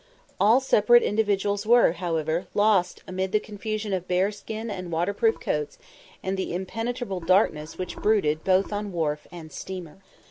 All separate individualities were, however, lost amid the confusion of bear skin and waterproof coats and the impenetrable darkness which brooded both on wharf and steamer.